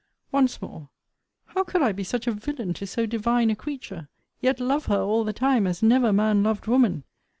Once more, how could I be such a villain to so divine a creature! Yet love her all the time, as never man loved woman!